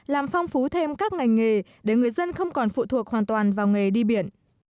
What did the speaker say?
làm phong phú thêm các ngành nghề để người dân không còn phụ thuộc hoàn toàn vào nghề đi biển